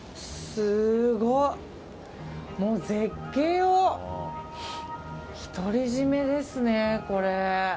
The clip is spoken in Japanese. すごい、もう絶景を独り占めですね。